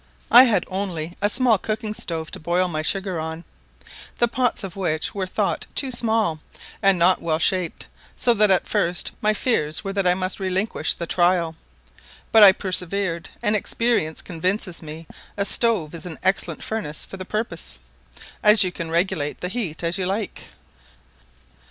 I had only a small cooking stove to boil my sugar on, the pots of which were thought too small, and not well shaped, so that at first my fears were that I must relinquish the trial; but I persevered, and experience convinces me a stove is an excellent furnace for the purpose; as you can regulate the heat as you like.